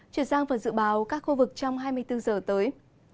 chuyển sang và dự báo các khu vực trong hai mươi bốn giờ tới